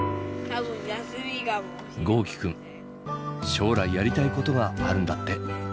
豪輝くん将来やりたいことがあるんだって。